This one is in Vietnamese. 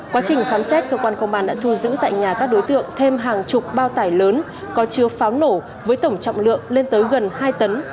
quá trình khám xét cơ quan công an đã thu giữ tại nhà các đối tượng thêm hàng chục bao tải lớn có chứa pháo nổ với tổng trọng lượng lên tới gần hai tấn